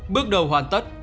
bước đầu hoàn tất